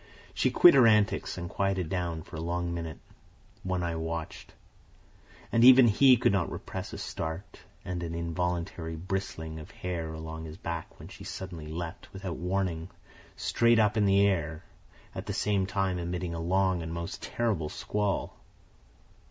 She quit her antics, and quieted down for a long minute. One Eye watched. And even he could not repress a start and an involuntary bristling of hair along his back when she suddenly leaped, without warning, straight up in the air, at the same time emitting a long and most terrible squall.